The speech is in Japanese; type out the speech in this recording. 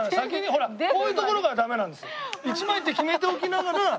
ほらこういうところがダメなんですよ。